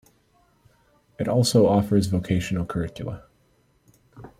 It also offers vocational curricula.